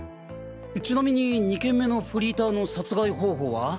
ちなみに２件目のフリーターの殺害方法は？